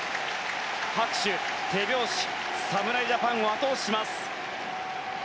拍手、手拍子侍ジャパンを後押しします。